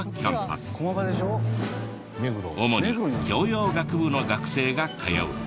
主に教養学部の学生が通う。